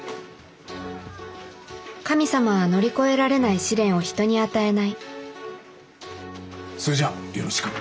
神様は乗り越えられない試練を人に与えないそれじゃあよろしく。